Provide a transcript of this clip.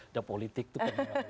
udah politik tuh